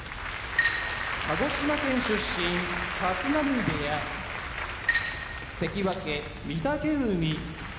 鹿児島県出身立浪部屋関脇・御嶽海